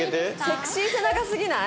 セクシー背中すぎない？